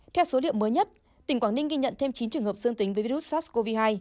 theo số liệu mới nhất tỉnh quảng ninh ghi nhận thêm chín trường hợp dương tính với virus sars cov hai